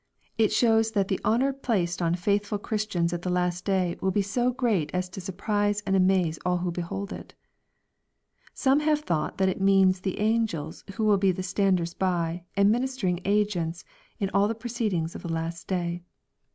It shows that the honor placed on faithful Christians, at the last day, will be so great as to surprise and amaze all who behold it Some have thought that it means the angels, who will be the fitanders by and ministering agents in all the proceedings of the last day.